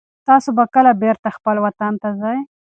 تاسو به کله بېرته خپل وطن ته ځئ؟